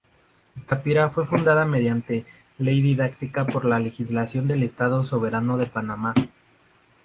Capira fue fundada mediante ley didáctica por la Legislación del Estado Soberano de Panamá.